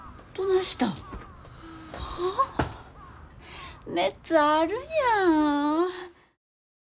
熱あるやん。